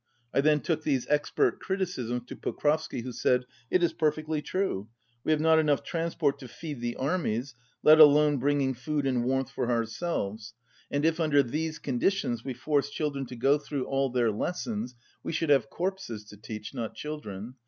I then took these expert criticisms to Pokrovsky who said, "It is perfectly true. We have not enough transport to feed the armies, let glone bringing fgod and warmth for ourselves, 187 And if, under these conditions, we forced children to go through all their lessons we should have corpses to teach, not children.